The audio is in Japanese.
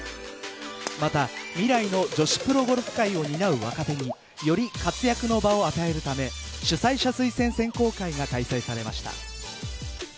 また未来の女子プロゴルフ界を担う若手により活躍の場を与えるため主催者推薦選考会が開催されました。